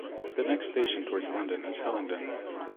The next station towards London is Hillingdon.